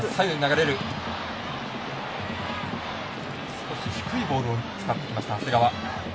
少し低いボールを使ってきました長谷川。